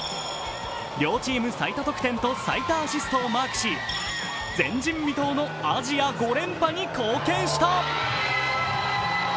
両チーム最多得点と最多アシストをマークし前人未到のアジア５連覇に貢献した。